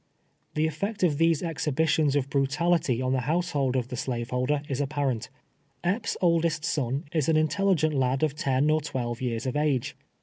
The effect of these exhibitions of brutality on the household of the slave holder, is ai)parent. Epps' oldest son is an intelligent lad of ten or twelve years of age.